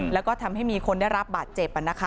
แล้วก็ทำให้มีคนได้รับบาดเจ็บ